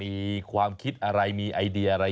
มีความคิดอะไรมีไอเดียอะไร